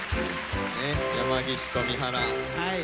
山岸と三原。